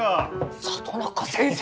里中先生！？